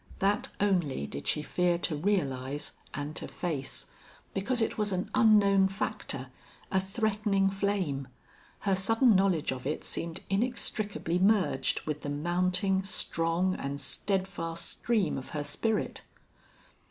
That only did she fear to realize and to face, because it was an unknown factor, a threatening flame. Her sudden knowledge of it seemed inextricably merged with the mounting, strong, and steadfast stream of her spirit.